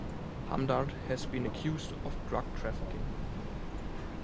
Hamdard has been accused of drug trafficking.